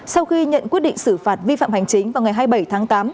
sau khi nhận quyết định xử phạt vi phạm hành chính vào ngày hai mươi bảy tháng tám